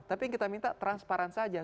tapi yang kita minta transparan saja